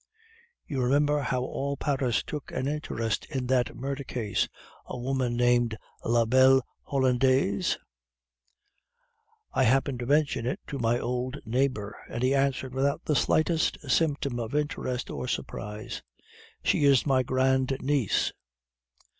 You remember how all Paris took an interest in that murder case, a woman named La belle Hollandaise? I happened to mention it to my old neighbor, and he answered without the slightest symptom of interest or surprise, 'She is my grandniece.